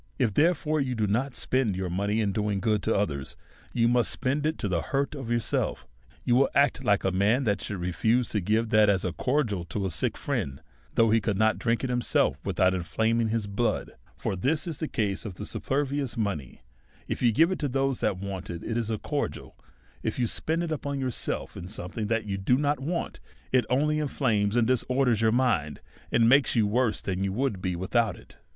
If, therefore, you do not spend your money in doing good to others, you must spend it to the hurt of yourself You will act like a man that * should refuse to give that as a cordial to a sick friend, which he could not drink himself without inflaming DEVOUT AND HOLY LIFE. 59 his blood. For this is the case with superfluous mo ney ; if you give it to those that want it^ it is a cor dial; if you spend it upon yourself in something that you do not want, it only inflames and disorders your mind, and makes you worse than you would be with out it.